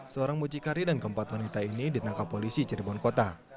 seorang mucikari dan keempat wanita ini ditangkap polisi cirebon kota